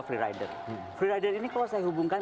free rider free rider ini kalau saya hubungkan